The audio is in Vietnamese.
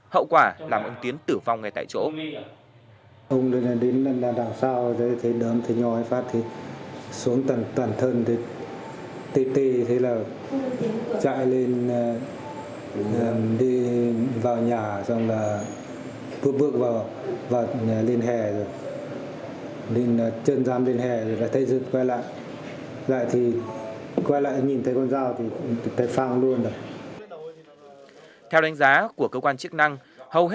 hậu quả làm ông tiến tử vong ngay tại chỗ